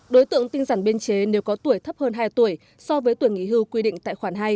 đối tượng tinh giản biên chế nếu có tuổi thấp hơn hai tuổi so với tuổi nghị hưu quy định tại khoản hai